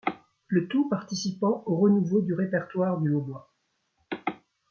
Le tout participant au renouveau du répertoire du hautbois.